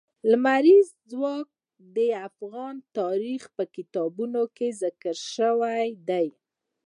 لمریز ځواک د افغان تاریخ په کتابونو کې ذکر شوی دي.